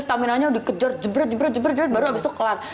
stamina nya dikejar jebrat jebrat baru abis itu kelar